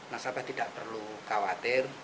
nasabah tidak perlu khawatir